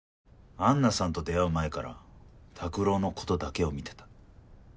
安奈さんと出会う前から拓郎のことだけを見てた。